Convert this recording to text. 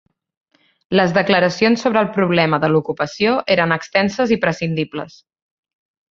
Les declaracions sobre el problema de l'ocupació eren extenses i prescindibles.